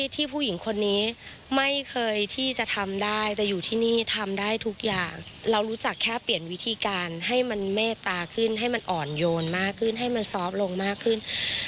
ผู้หญิงคนนี้ไม่เคยที่จะทำได้แต่อยู่ที่นี่ทำได้ทุกอย่างเรารู้จักแค่เปลี่ยนวิธีการให้มันเมตตาขึ้นให้มันอ่อนโยนมากขึ้นให้มันซอฟต์ลงมากขึ้น